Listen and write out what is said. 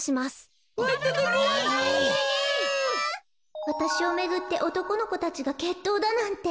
こころのこえわたしをめぐっておとこのこたちがけっとうだなんて。